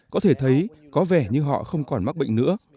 có thể thấy có vẻ như họ không còn mắc bệnh nữa